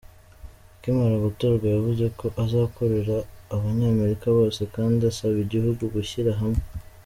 Akimara gutorwa yavuze ko azakorera abanyamerika bose kandi asaba igihugu gushyira hamwe .